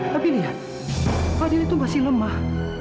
tapi lihat fadil itu masih lemah